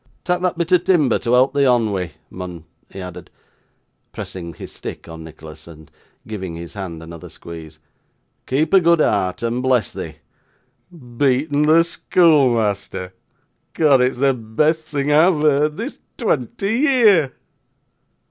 'Tak' that bit o' timber to help thee on wi', mun,' he added, pressing his stick on Nicholas, and giving his hand another squeeze; 'keep a good heart, and bless thee. Beatten the schoolmeasther! 'Cod it's the best thing a've heerd this twonty year!